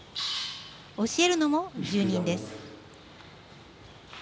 教えるのも住人です。